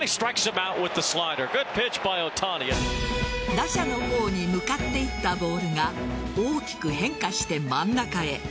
打者の方に向かっていたボールが大きく変化して真ん中へ。